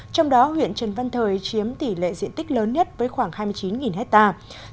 trong đó huyện trần văn thời chiếm tỷ lệ diện tích lớn nhất với khoảng hai mươi chín hectare